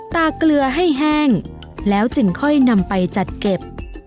เกลือให้แห้งแล้วจึงค่อยนำไปจัดเก็บ